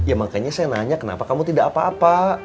ya makanya saya nanya kenapa kamu tidak apa apa